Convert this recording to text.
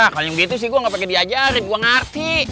kalo yang gitu sih gue gak pake diajarin gue ngerti